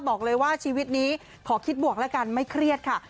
บอกเลยว่าชีวิตนี้ขอคิดบวกแล้วกันไม่เครียดค่ะ